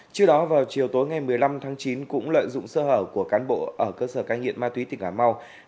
trước đó vào chiều tối ngày một mươi năm tháng chín cũng lợi dụng sơ hở của cán bộ ở cơ sở cai nghiện ma túy tỉnh cà mau